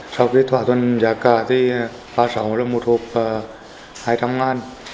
sau khi thỏa thuận giá cả thì ba mươi sáu là một hộp hai trăm linh ngàn